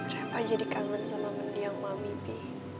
reva jadi kangen sama mendiang mami bi